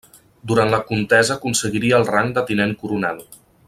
Durant la contesa aconseguiria el rang de tinent coronel.